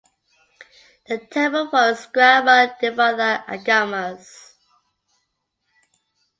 The temple follows Grama Devatha Agamas.